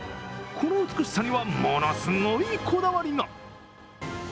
この美しさには、ものすごいこだわりが。